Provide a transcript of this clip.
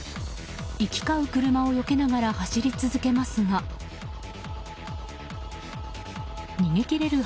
行き交う車をよけながら走り続けますが逃げ切れる